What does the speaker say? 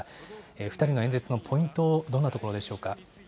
２人の演説のポイント、どんなところでしょうか。